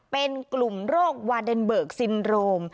เป็นกลุ่มโรควาเดนเบิกซินโรม